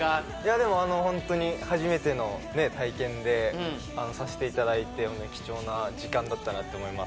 でもホントに初めての体験でさせていただいて貴重な時間だったなって思います